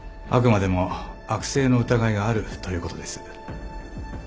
あくまでも悪性の疑いがあるということです。